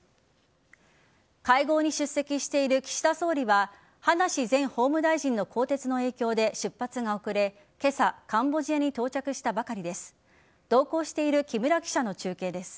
会合に出席している岸田総理は葉梨前法務大臣の更迭の影響で出発が遅れ今朝、カンボジアに到着したばかりです。